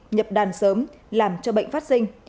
nhập đàn sớm làm cho bệnh phát sinh